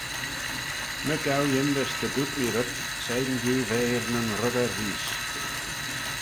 Ny gow yindys dy dooyrt mee rhyt, Shegin diu v'er nyn ruggey reesht.